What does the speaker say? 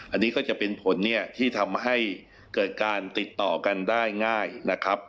อันนี้ก็จะเป็นผลเนี่ยที่ทำให้เกิดการติดต่อกันได้ง่ายนะครับ